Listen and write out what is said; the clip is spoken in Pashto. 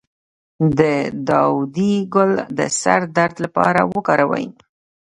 د داودي ګل د سر درد لپاره وکاروئ